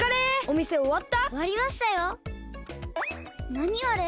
なにあれ！？